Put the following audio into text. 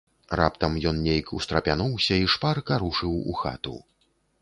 Раптам ён нейк устрапянуўся і шпарка рушыў у хату.